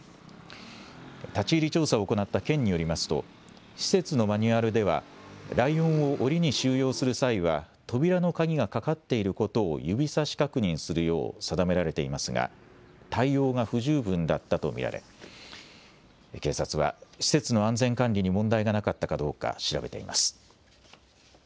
立ち入り調査を行った県によりますと、施設のマニュアルでは、ライオンをおりに収容する際は、扉の鍵がかかっていることを指さし確認するよう定められていますが、対応が不十分だったと見られ、警察は、施設の安全管理に問題がなかったかどうか調べています。